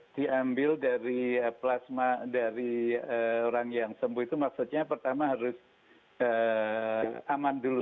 diambil dari plasma dari orang yang sembuh itu maksudnya pertama harus aman dulu